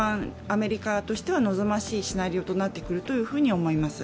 アメリカとしては望ましいシナリオとなってくると思います。